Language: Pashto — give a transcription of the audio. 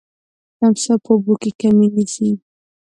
تمساح په اوبو کي کمین نیسي.